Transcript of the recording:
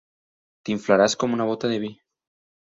T'inflaràs com una bóta de vi.